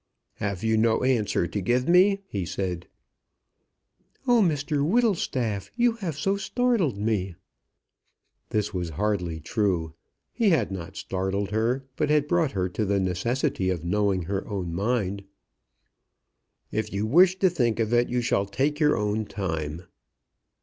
"Have you no answer to give me?" he said. "Oh, Mr Whittlestaff, you have so startled me!" This was hardly true. He had not startled her, but had brought her to the necessity of knowing her own mind. "If you wish to think of it, you shall take your own time."